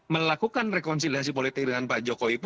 melakukan rekonsiliasi politik dengan pak jokowi itu